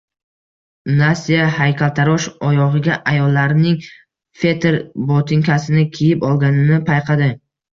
Nastya haykaltarosh oyogʻiga ayollarning fetr botinkasini kiyib olganini payqadi.